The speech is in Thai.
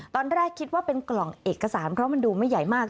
ตอนแรกคิดว่าเป็นกล่องเอกสารเพราะมันดูไม่ใหญ่มาก